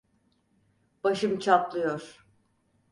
Başım çatlıyor.